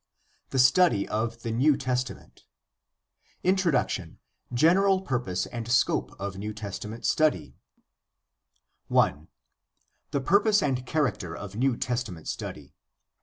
THE STUDY OF THE NEW TESTAMENT introduction: general purpose and scope of new testament study I. The purpose and general character of New Testament Study.